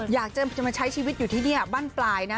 อยากจะมาใช้ชีวิตอยู่ที่นี่บ้านปลายนะ